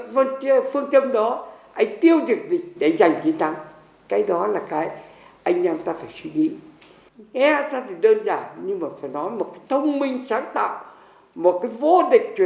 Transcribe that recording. với một phương chấm lấy thô sơ thẳng nhiều đã lấy ít thẳng nhiều lấy ít yếu thẳng mạnh